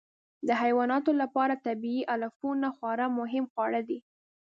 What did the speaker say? د حیواناتو لپاره طبیعي علفونه خورا مهم خواړه دي.